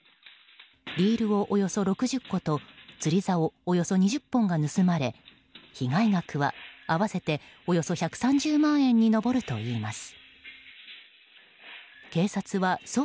リールをおよそ６０台と釣りざおおよそ２０本が盗まれ被害額は合わせて、およそ１３０万円に上るといいます。